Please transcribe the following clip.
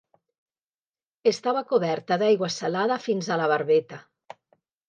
Estava coberta d'aigua salada fins a la barbeta.